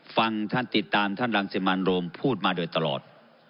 ฟังท่านติดตามท่านรังสิมันโรมพูดมาโดยตลอด